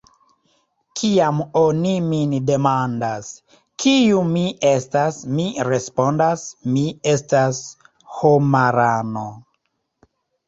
Kiam oni min demandas, kiu mi estas, mi respondas: “Mi estas homarano.”